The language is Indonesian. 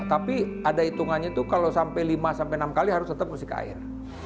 tapi ada hitungannya itu kalau sampai lima enam kali harus tetap membersihkan air